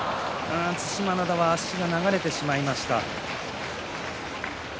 對馬洋は足が流れてしまいました。